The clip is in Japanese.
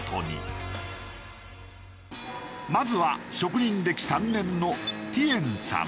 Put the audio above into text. まずは職人歴３年のティエンさん。